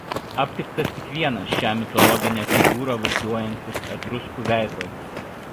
Aptiktas tik vienas šią mitologinę figūrą vaizduojantis etruskų veidrodis.